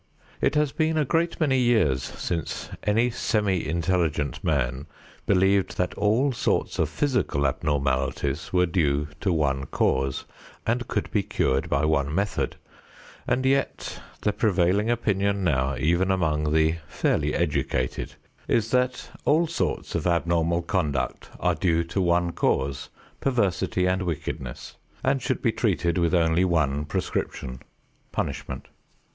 It has been a great many years since any semi intelligent man believed that all sorts of physical abnormalities were due to one cause and could be cured by one method, and yet the prevailing opinion now, even among the fairly educated, is that all sorts of abnormal conduct are due to one cause, perversity and wickedness, and should be treated with only one prescription, punishment.